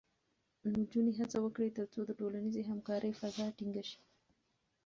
نجونې هڅه وکړي، ترڅو د ټولنیزې همکارۍ فضا ټینګې شي.